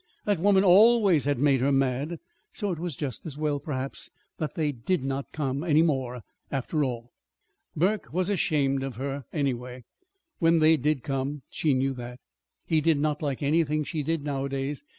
That woman always had made her mad. So it was just as well, perhaps, that they did not come any more, after all. Burke was ashamed of her, anyway, when they did come. She knew that. He did not like anything she did nowadays.